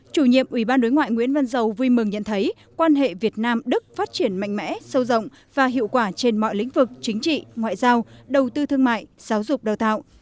chủ nhiệm ủy ban đối ngoại nguyễn văn giàu vui mừng nhận thấy quan hệ việt nam đức phát triển mạnh mẽ sâu rộng và hiệu quả trên mọi lĩnh vực chính trị ngoại giao đầu tư thương mại giáo dục đào tạo